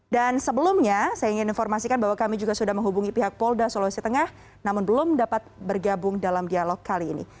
dan sebelumnya saya ingin informasikan bahwa kami juga sudah menghubungi pihak polda sulawesi tengah namun belum dapat bergabung dalam dialog kali ini